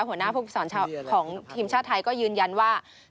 หัวหน้าภูมิสวรรค์ของทีมชาติไทยก็ยืนยันว่า